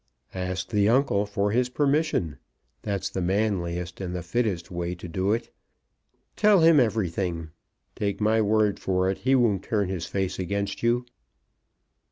"Ask the uncle for his permission. That's the manliest and the fittest way to do it. Tell him everything. Take my word for it he won't turn his face against you.